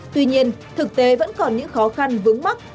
tuy nhiên thực tế vẫn còn những khó khăn vướng mắt